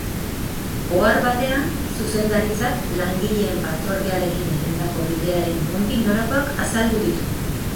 Ohar batean, zuzendaritzak langileen batzordearekin egindako bileraren nondik norakoak azaldu ditu.